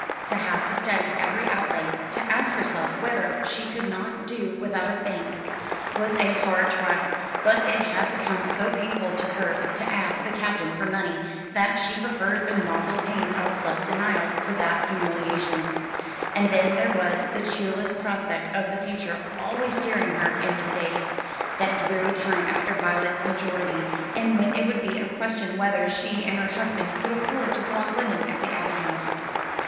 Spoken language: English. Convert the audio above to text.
To have to study every outlay, to ask herself whether she could not do without a thing, was a hard trial; but it had become so painful to her to ask the Captain for money that she preferred the novel pain of self denial to that humiliation. And then there was the cheerless prospect of the future always staring her in the face, that dreary time after Violet's majority, when it would be a question whether she and her husband could afford to go on living at the Abbey House.